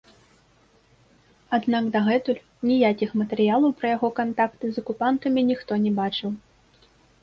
Аднак дагэтуль ніякіх матэрыялаў пра яго кантакты з акупантамі ніхто не бачыў.